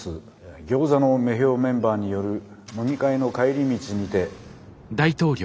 餃子の女豹メンバーによる飲み会の帰り道にて。